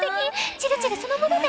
チルチルそのものね」。